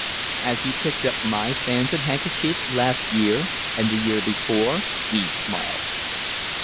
"As you picked up my fans and handkerchiefs last year and the year before?" Eve smiled.